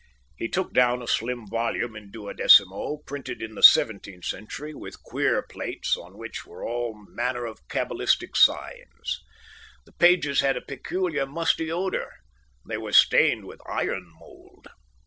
He took down a slim volume in duodecimo, printed in the seventeenth century, with queer plates, on which were all manner of cabbalistic signs. The pages had a peculiar, musty odour. They were stained with iron mould.